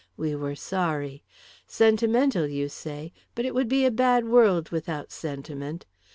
We were sorry. Sentimental, you say, but it would be a bad world without sentiment.